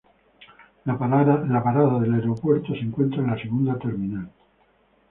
La parada del aeropuerto se encuentra en la segunda terminal.